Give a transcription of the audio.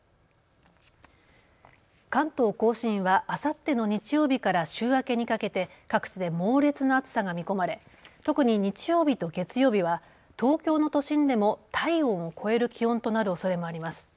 関東甲信はあさっての日曜日から週明けにかけて各地で猛烈な暑さが見込まれ、特に日曜日と月曜日は東京の都心でも体温を超える気温となるおそれもあります。